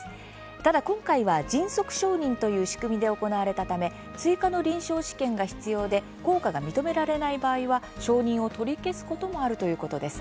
ただ、今回は迅速承認という仕組みで行われたため追加の臨床試験が必要で効果が認められない場合は承認を取り消すこともあるということです。